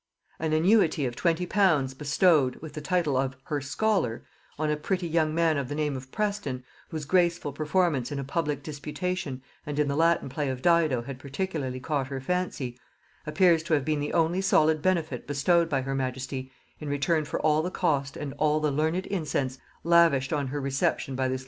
An annuity of twenty pounds bestowed, with the title of her scholar, on a pretty young man of the name of Preston, whose graceful performance in a public disputation and in the Latin play of Dido had particularly caught her fancy, appears to have been the only solid benefit bestowed by her majesty in return for all the cost and all the learned incense lavished on her reception by this loyal and splendid university.